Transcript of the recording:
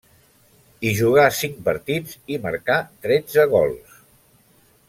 Hi jugà cinc partits, i marcà tretze gols.